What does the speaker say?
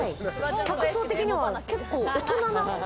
客層的には結構大人な。